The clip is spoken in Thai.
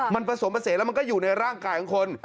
มันผสมภาษีแล้วมันก็อยู่ในร่างกายของคน